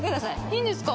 いいんですか？